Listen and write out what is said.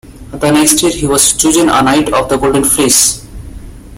The next year he was chosen a knight of the Golden Fleece.